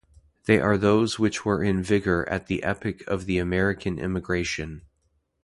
They are those which were in vigour at the epoch of the American emigration.